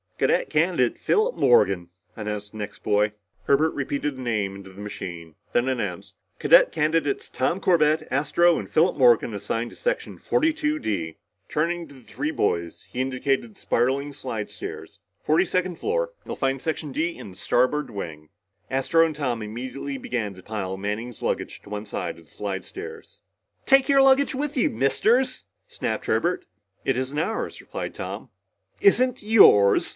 "Cadet Candidate Philip Morgan," announced the next boy. Herbert repeated the name into the machine, then announced, "Cadet Candidates Tom Corbett, Astro, and Philip Morgan assigned to Section 42 D." Turning to the three boys, he indicated the spiraling slidestairs. "Forty second floor. You'll find Section D in the starboard wing." Astro and Tom immediately began to pile Manning's luggage to one side of the slidestairs. "Take your luggage with you, Misters!" snapped Herbert. "It isn't ours," replied Tom. "Isn't yours?"